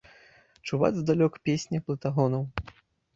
Чуваць здалёк песня плытагонаў.